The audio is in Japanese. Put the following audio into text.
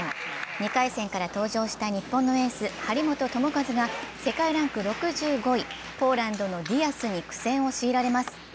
２回戦から登場した日本のエース・張本智和が世界ランク６５位、ポーランドのディヤスに苦戦を強いられます。